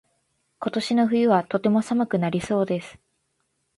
今年の冬はとても寒くなりそうです。